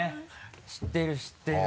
知ってる知ってる。